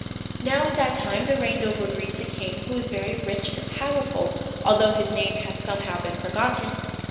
Now, at that time there reigned over Greece a king who was very rich and powerful, although his name has somehow been forgotten.